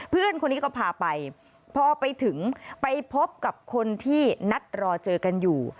เพื่อนคนนี้ก็พาไปพอไปถึงไปพบกับคนที่นัดรอเจอกันอยู่